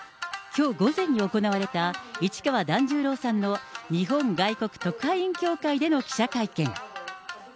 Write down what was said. きょう午前に行われた、市川團十郎さんの日本外国特派員協会での記者会見。